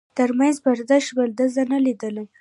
تر منځ پرده شول، ده زه نه لیدم.